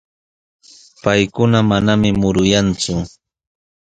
Paykuna manami muruyanku.